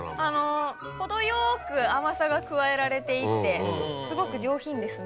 程よく甘さが加えられていってすごく上品ですね。